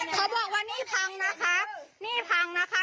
เขาบอกว่านี่พังนะคะนี่พังนะคะ